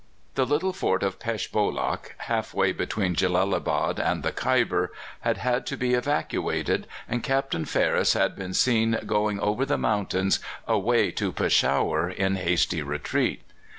The little fort of Pesh Bolak (half way between Jellalabad and the Khyber) had had to be evacuated, and Captain Ferris had been seen going over the mountains away to Peshawar in hasty retreat.